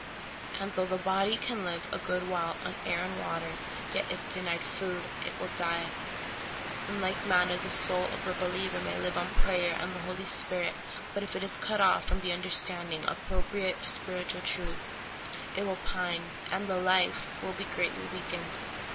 And though the body can live a good while on air and water, yet, if denied food, it will die. In like manner the soul of the believer may live on prayer and the Holy Spirit, but if it is cut off from the understanding of appropriate spiritual truth, it will pine, and the life be greatly weakened.